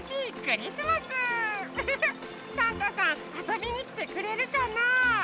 サンタさんあそびにきてくれるかな？